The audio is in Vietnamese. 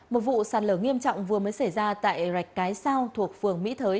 một vụ sạt lở nghiêm trọng vừa mới xảy ra tại rạch cái sao thuộc phường mỹ thới